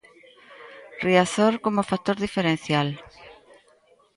Riazor como factor diferencial.